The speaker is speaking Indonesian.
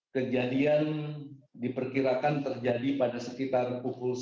kejadian diperkirakan terjadi pada sekitar pukul sembilan empat puluh waktu swiss